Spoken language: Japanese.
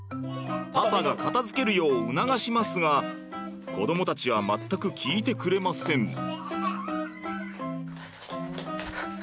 パパが片づけるよう促しますが子どもたちは全く聞いてくれません。